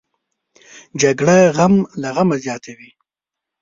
جګړه غم له غمه زیاتوي